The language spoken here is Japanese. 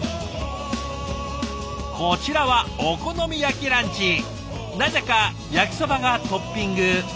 こちらはなぜか焼きそばがトッピング。